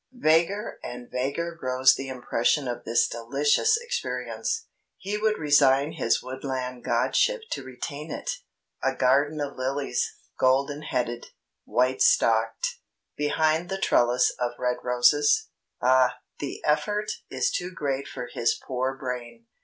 Vaguer and vaguer grows the impression of this delicious experience. He would resign his woodland godship to retain it. A garden of lilies, golden headed, white stalked, behind the trellis of red roses? Ah! the effort is too great for his poor brain.